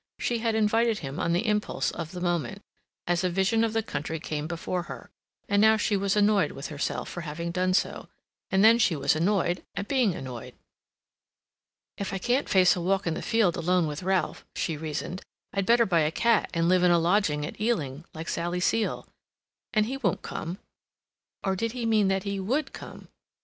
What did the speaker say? She had invited him on the impulse of the moment, as a vision of the country came before her; and now she was annoyed with herself for having done so, and then she was annoyed at being annoyed. "If I can't face a walk in a field alone with Ralph," she reasoned, "I'd better buy a cat and live in a lodging at Ealing, like Sally Seal—and he won't come. Or did he mean that he would come?"